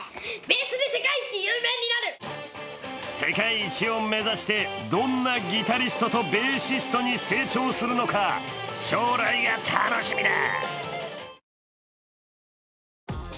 ベースで世界一、ゆうめいになる世界一を目指して、どんなギタリストとベーシストに成長するのか将来が楽しみだ。